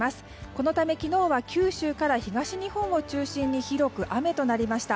このため昨日は九州から東日本を中心に広く雨となりました。